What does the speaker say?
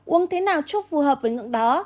uống thế nào chút phù hợp với ngưỡng đó